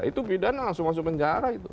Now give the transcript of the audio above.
itu pidana langsung masuk penjara itu